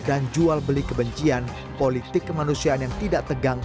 dan jual beli kebencian politik kemanusiaan yang tidak tegang